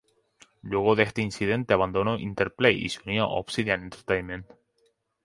Luego de este incidente abandonó Interplay y se unió a Obsidian Entertainment.